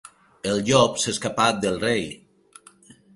El llop s'escapà del rei.